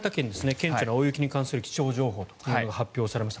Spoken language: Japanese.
顕著な大雪に関する気象情報が発表されました。